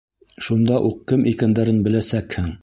Шунда уҡ кем икәндәрен беләсәкһең!